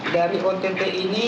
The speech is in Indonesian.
dari ott ini